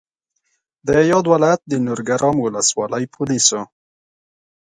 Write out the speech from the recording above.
د یاد ولایت د نورګرام ولسوالۍ پولیسو